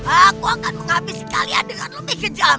aku akan menghabisi kalian dengan lebih kejam